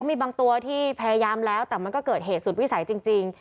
มีบางตัวที่พยายามแล้วแต่มันก็เกิดเหตุสุดวิสัยจริง